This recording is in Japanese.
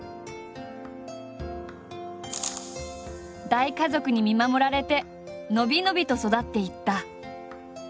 大家族に見守られて伸び伸びと育っていった。